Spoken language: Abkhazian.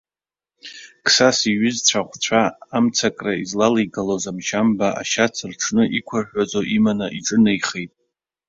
Қсас, иҩызцәа-ахәцәа амцакра излалигалоз имшьамба ашьац рҽны иқәырҳәазо иманы иҿынеихеит.